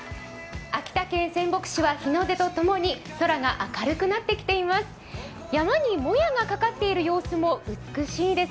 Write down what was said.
秋田県仙北市は日の出と共に空が明るくなってきています。